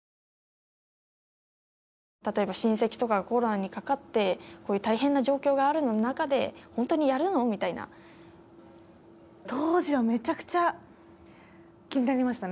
例えば親戚とかがコロナにかかってこういう大変な状況がある中でホントにやるの？みたいな当時はメチャクチャ気になりましたね